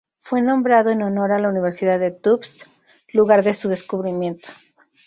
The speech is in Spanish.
Fue nombrado en honor a la Universidad de Tufts, lugar de su descubrimiento.